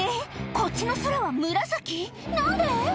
こっちの空は紫何で？